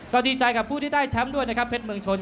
ก็ดีใจกับผู้ที่ได้แชมป์ด้วยนะครับเพชรเมืองชน